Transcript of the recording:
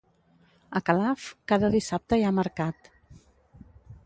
A Calaf, cada dissabte hi ha mercat